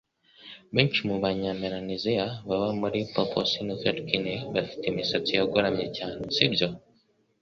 Benshi mu Banya Melaneziya baba muri Papouasie-Nouvelle-Guinée bafite imisatsi yagoramye cyane, si byo?